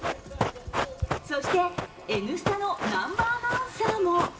そして、「Ｎスタ」の南波アナウンサーも。